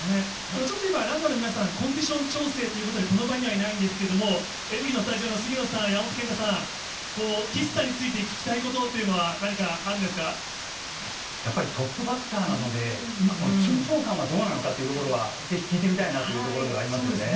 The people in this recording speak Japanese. ちょっと今、ランナーの皆さん、コンディション調整ということで、この場にはいないんですけれども、エブリィのスタジオの杉野さん、山本けんたさん、岸さんについて聞きたいことというのは何かあるやっぱりトップバッターなので、今、緊張感はどうなのかというところはぜひ聞いてみたいなというとこそうですね。